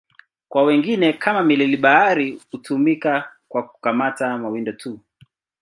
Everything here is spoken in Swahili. Kwa wengine, kama mileli-bahari, hutumika kwa kukamata mawindo tu.